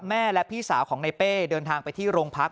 แม่และพี่สาวของในเป้เดินทางไปที่โรงพัก